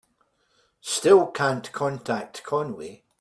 Still can't contact Conway.